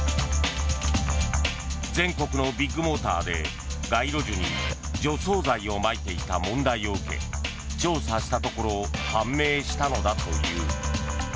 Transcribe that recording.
全国のビッグモーターで街路樹に除草剤をまいていた問題を受け調査したところ判明したのだという。